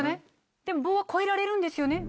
棒は越えられるんですよね？